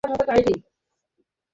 এরা দেশের সেবক!